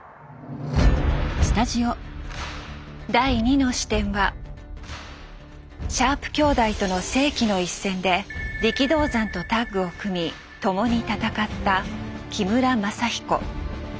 第２の視点はシャープ兄弟との世紀の一戦で力道山とタッグを組み共に戦った木村政彦。